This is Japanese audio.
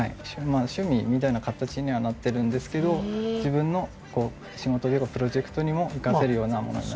まあ趣味みたいな形にはなってるんですけど自分のこう仕事というかプロジェクトにも生かせるようなものに。